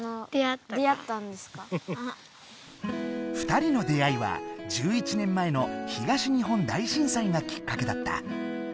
２人の出会いは１１年前の東日本大震災がきっかけだった。